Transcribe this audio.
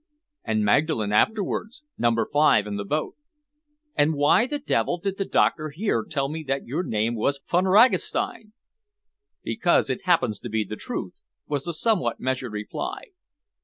"And Magdalen afterwards, number five in the boat." "And why the devil did the doctor here tell me that your name was Von Ragastein?" "Because it happens to be the truth," was the somewhat measured reply.